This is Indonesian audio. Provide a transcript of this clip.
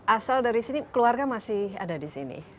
asal dari sini keluarga masih ada disini